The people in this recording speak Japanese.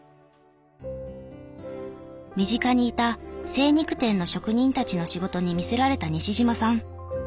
身近にいた精肉店の職人たちの仕事に魅せられた西島さん。